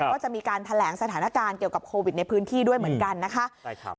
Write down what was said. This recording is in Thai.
ก็จะมีการแถลงสถานการณ์เกี่ยวกับโควิดในพื้นที่ด้วยเหมือนกันนะคะ